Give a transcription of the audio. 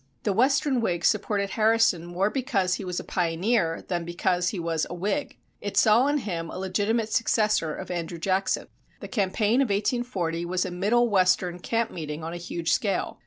The western Whig supported Harrison more because he was a pioneer than because he was a Whig. It saw in him a legitimate successor of Andrew Jackson. The campaign of 1840 was a Middle Western camp meeting on a huge scale.